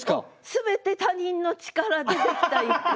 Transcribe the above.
全て他人の力でできた一句。